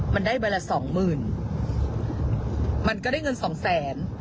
มันได้ใบละสองหมื่นมันก็ได้เงินสองแสน